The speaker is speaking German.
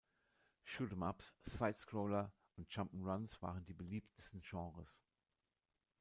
Shoot ’em ups, Side-Scroller und Jump ’n’ Runs waren die beliebtesten Genres.